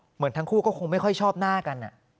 เหมือนทั้งคู่ก็คงไม่ค่อยชอบหน้ากัน